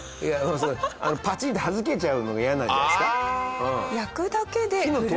パチンッてはじけちゃうのが嫌なんじゃないですか？